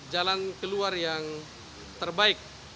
jalan keluar yang terbaik